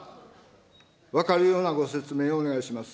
分かるようなご説明をお願いします。